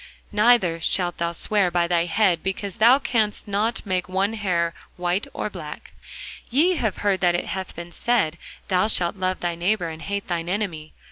Neither shalt thou swear by thy head, because thou canst not make one hair white or black. Ye have heard that it hath been said, Thou shalt love thy neighbour, and hate thine enemy.